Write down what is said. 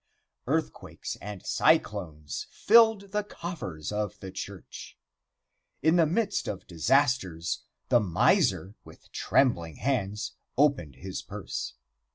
Earthquakes and cyclones filled the coffers of the church. In the midst of disasters the miser, with trembling hands, opened his purse.